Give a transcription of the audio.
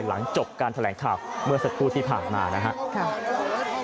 หลังจบการแถลงข่าวเมื่อสักครู่ที่ผ่านมานะครับ